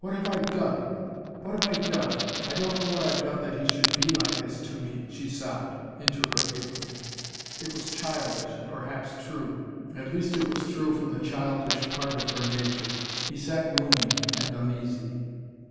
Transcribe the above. "What have I done! What have I done! I don't know what I've done that he should be like this to me," she sobbed, into her apron. It was childish, and perhaps true. At least it was true from the childish part of her nature. He sat gloomy and uneasy.